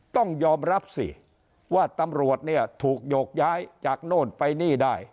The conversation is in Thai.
ต้องยอมรับสิว่าตำรวจเนี่ยถูกโยกย้ายจากโน่นไปนี่ได้